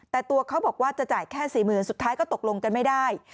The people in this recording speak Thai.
แต่ตัวเขาบอกว่าจะจ่ายแค่๔๐๐๐สุดท้ายก็ตกลงกันไม่ได้